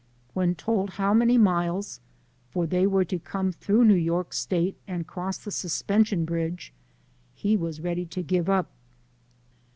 When told how many miles, for they were to come through Xew York State, and cross the Suspension Bridge, he was ready to give up.